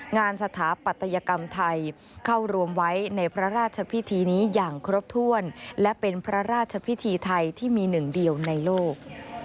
สถาปัตยกรรมไทยเข้ารวมไว้ในพระราชพิธีนี้อย่างครบถ้วนและเป็นพระราชพิธีไทยที่มีหนึ่งเดียวในโลก